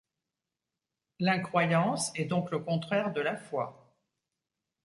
L'incroyance est donc le contraire de la foi.